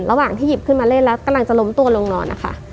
ระหว่างที่หยิบขึ้นมาเล่นแล้วกำลังจะล้มตัวลงนอนนะคะ